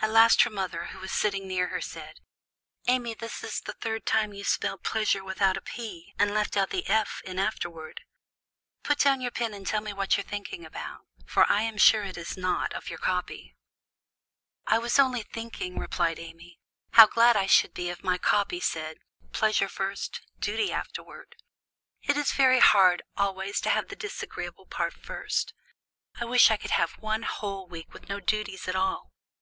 At last her mother, who was sitting near her, said, "Amy, this is the third time you have spelled pleasure without a 'p,' and left out the 'f' in afterward. Put down your pen and tell me what you are thinking about; for I am sure it is not of your copy." "I was only thinking," replied Amy, "how glad I should be if my copy said, 'Pleasure first duty afterward.' It is very hard always to have the disagreeable part first. I wish I could have one whole week with no duties at all!